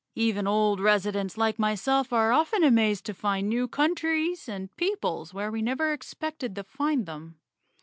Even old residents like myself are often amazed to find new countries and peoples where we never expected to find them.